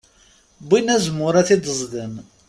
Wwin azemmur ad t-id-ẓden.